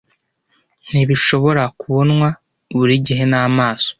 Ntibishobora kubonwa buri gihe n'amaso.